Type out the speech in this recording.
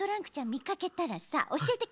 みかけたらさおしえてくれる？